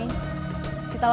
contohnya kau kan bra